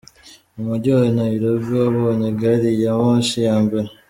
Umujyi wa Nayirobi wabonye Gari ya Moshi ya mbere